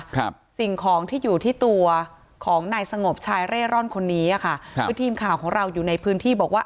ครับสิ่งของที่อยู่ที่ตัวของนายสงบชายเร่ร่อนคนนี้อ่ะค่ะครับคือทีมข่าวของเราอยู่ในพื้นที่บอกว่า